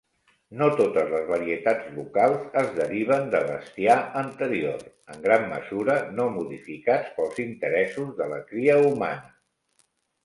No totes les varietats locals es deriven de bestiar anterior, en gran mesura no modificats pels interessos de la cria humana.